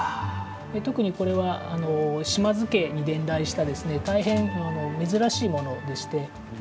特にこれは、島津家に伝来した大変、珍しいものでして。